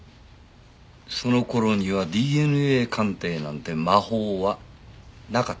その頃にはＤＮＡ鑑定なんて魔法はなかったから。